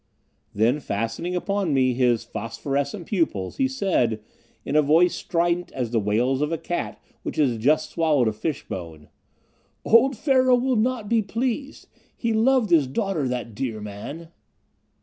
Then, fastening upon me his phosphorescent pupils he said, in a voice strident as the wails of a cat which has just swallowed a fish bone: "Old Pharaoh will not be pleased; he loved his daughter that dear man."